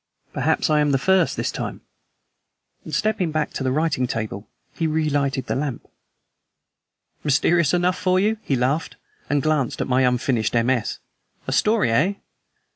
Perhaps I am first this time." And, stepping back to the writing table he relighted the lamp. "Mysterious enough for you?" he laughed, and glanced at my unfinished MS. "A story, eh?